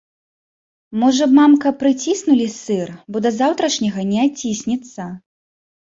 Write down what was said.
Можа б, мамка, прыціснулі сыр, бо да заўтрашняга не адціснецца.